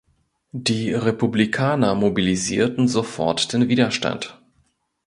Die Republikaner mobilisierten sofort den Widerstand.